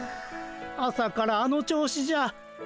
朝からあの調子じゃ。